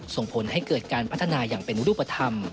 ส่งผลให้เกิดการพัฒนาอย่างเป็นรูปธรรม